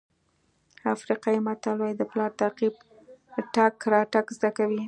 افریقایي متل وایي د پلار تعقیب تګ راتګ زده کوي.